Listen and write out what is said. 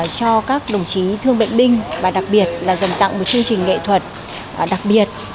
cho các đồng chí thương bệnh binh và đặc biệt là dần tặng một chương trình nghệ thuật đặc biệt